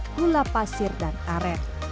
santan gula pasir dan are